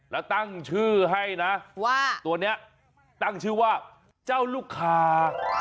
แล้วตั้งชื่อให้นะว่าตัวนี้ตั้งชื่อว่าเจ้าลูกคา